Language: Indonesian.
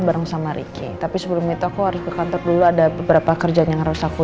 bareng sama ricky tapi sebelum itu aku harus ke kantor dulu ada beberapa kerjaan yang harus aku